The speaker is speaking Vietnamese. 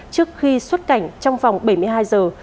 trước khi xuất cảnh trong vòng bảy mươi hai giờ